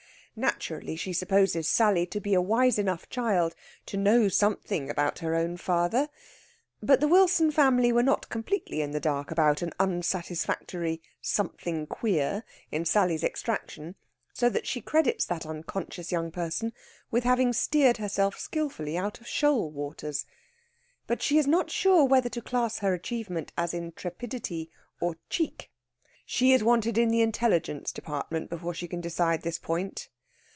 Naturally she supposes Sally to be a wise enough child to know something about her own father. But the Wilson family were not completely in the dark about an unsatisfactory "something queer" in Sally's extraction; so that she credits that unconscious young person with having steered herself skilfully out of shoal waters; but she is not sure whether to class her achievement as intrepidity or cheek. She is wanted in the intelligence department before she can decide this point.